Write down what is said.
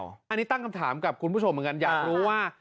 อันนี้ตั้งคำถามกับคุณผู้ชมเหมือนกันอยากรู้ว่า